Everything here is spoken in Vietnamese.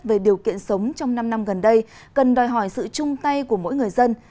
về điều kiện sống trong năm năm gần đây cần đòi hỏi sự chung tay của mỗi người dân